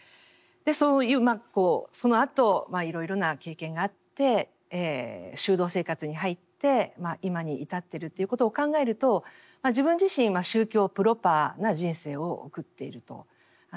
そういうそのあといろいろな経験があって修道生活に入って今に至ってるということを考えると自分自身宗教プロパーな人生を送っていると言えると思います。